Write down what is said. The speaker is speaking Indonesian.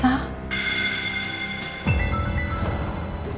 kayaknya nino tuh curiga deh sama elsa